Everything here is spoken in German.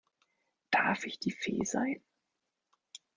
Darf ich die Fee sein?